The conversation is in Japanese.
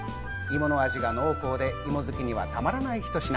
芋の味が濃厚で芋好きにはたまらない１品。